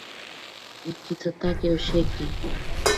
Ikitsatake osheki.